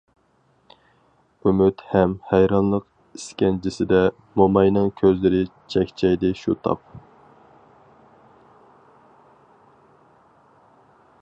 ئۈمىد ھەم ھەيرانلىق ئىسكەنجىسىدە، موماينىڭ كۆزلىرى چەكچەيدى شۇ تاپ.